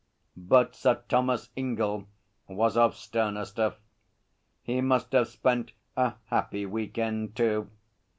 But Sir Thomas Ingell was of sterner stuff. He must have spent a happy week end too.